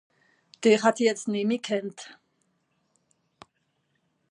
Dìch hätt ìch jetzt nemmi gekannt.